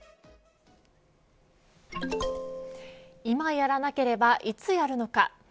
今やらなければいつやるのか。